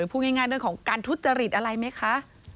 พูดง่ายเรื่องของการทุจริตอะไรไหมคะ